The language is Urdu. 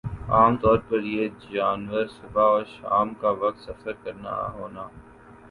عام طور پر یِہ جانور صبح اور شام کا وقت سفر کرنا ہونا